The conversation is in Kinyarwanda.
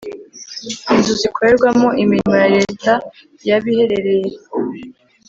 inzu ikorerwamo imirimo ya leta yaba iherereye he